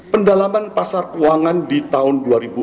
pendalaman pasar keuangan di tahun dua ribu dua puluh